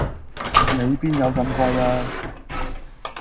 你邊有咁貴呀